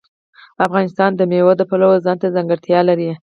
افغانستان د مېوې د پلوه ځانته ځانګړتیا لري.